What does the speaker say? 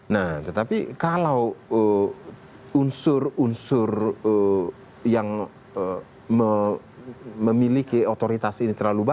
nah tetapi kalau unsur unsur yang memiliki otoritas sendiri